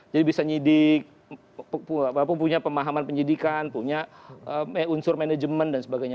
jadi bisa nyidik punya pemahaman penyidikan punya unsur manajemen dan sebagainya